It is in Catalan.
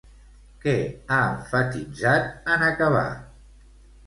Què ha emfatitzat, en acabar?